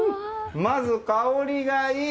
まず香りがいい！